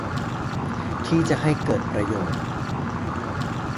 ที่จะให้เกิดประโยชน์